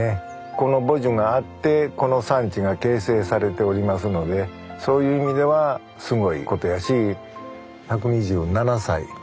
この母樹があってこの産地が形成されておりますのでそういう意味ではすごいことやし１２７歳。